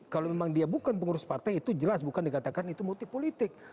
kalau memang dia bukan pengurus partai itu jelas bukan dikatakan itu multi politik